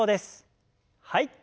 はい。